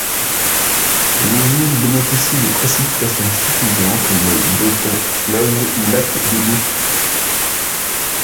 Les îles bénéficient de précipitations suffisantes, mais d'aucun fleuve ou lac d'eau douce.